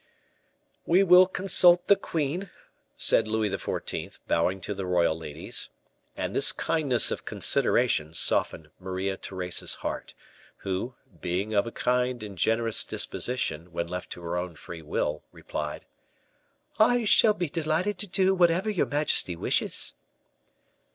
"We will consult the queen," said Louis XIV., bowing to the royal ladies. And this kindness of consideration softened Maria Theresa's heart, who, being of a kind and generous disposition, when left to her own free will, replied: "I shall be delighted to do whatever your majesty wishes."